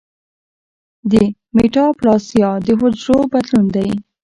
د میټاپلاسیا د حجرو بدلون دی.